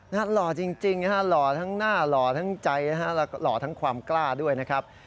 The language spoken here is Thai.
หล่อจริงหล่อทั้งหน้าหล่อทั้งใจหล่อทั้งความกล้าด้วยนะครับ